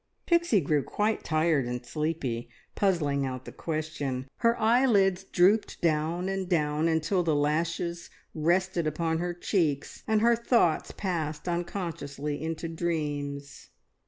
Pixie grew quite tired and sleepy puzzling out the question; her eyelids drooped down and down until the lashes rested upon her cheeks, and her thoughts passed unconsciously into dreams.